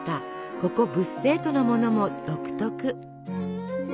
ここブッセートのものも独特。